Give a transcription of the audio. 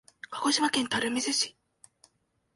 鹿児島県垂水市